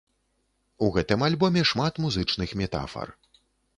У гэтым альбоме шмат музычных метафар.